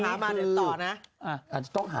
อาหาร้านต่อนะ